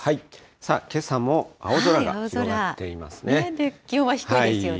さあ、けさも青空が広がっていますね。